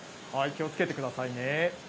気をつけてくださいね。